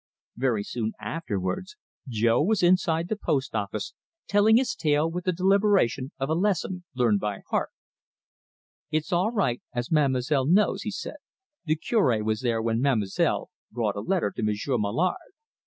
Very soon afterwards Jo was inside the post office, telling his tale with the deliberation of a lesson learned by heart. "It's all right, as ma'm'selle knows," he said. "The Cure was there when ma'm'selle brought a letter to M'sieu' Mallard.